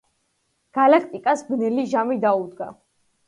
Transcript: გალაქტიკას ბნელი ჟამი დაუდგა.